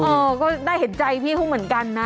เออก็น่าเห็นใจพี่เขาเหมือนกันนะ